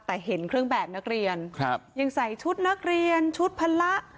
แต่เห็นเครื่องแบบนักเรียนครับยังใส่ชุดนักเรียนชุดพละ